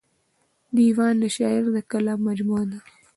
دېوان د شاعر د کلام مجموعه ده.